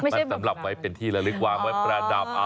แต่สำหรับไว้เป็นที่เราลึกวามเป็นประดับอ่อน